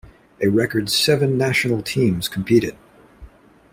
A record seven national teams competed.